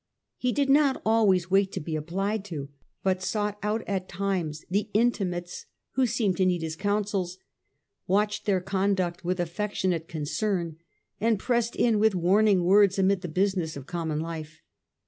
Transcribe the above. He did not always wait to be applied to, but sought out at times the intimates who seemed to need his counsels, watched their conduct with affectionate concern, and pressed in with warning words amid the business of com mon life.